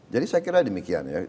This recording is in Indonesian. jadi saya kira demikian